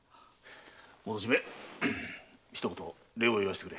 元締一言礼を言わせてくれ。